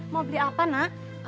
mau beli apa nak